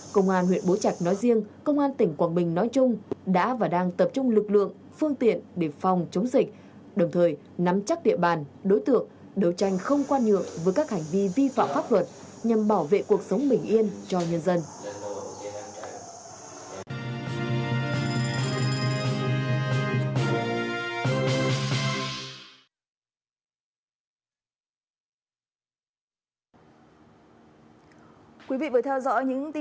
công an huyện bố trạch đã nhanh chóng vào cuộc để tiến hành điều tra truy bắt đối tượng